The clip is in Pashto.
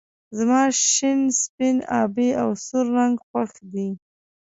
زما شين سپين آبی او سور رنګ خوښ دي